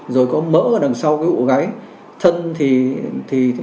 rồi có mỡ ở đằng sau cái ụ gái